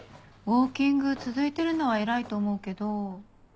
ウオーキング続いてるのは偉いと思うけど。